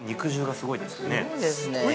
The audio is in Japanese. ◆すごいですね。